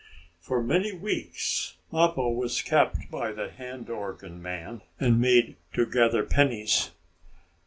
For many weeks Mappo was kept by the hand organ man, and made to gather pennies.